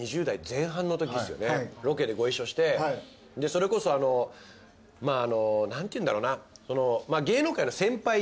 それこそ何ていうんだろうな。